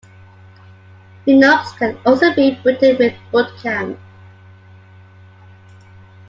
Linux can also be booted with Boot Camp.